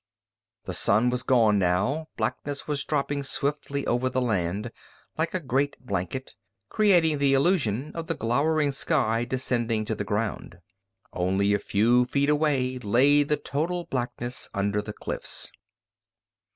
The sun was gone now. Blackness was dropping swiftly over the land, like a great blanket, creating the illusion of the glowering sky descending to the ground. Only a few feet away lay the total blackness under the cliffs.